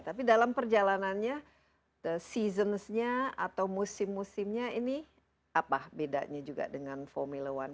tapi dalam perjalanannya the seasonsnya atau musim musimnya ini apa bedanya juga dengan formula one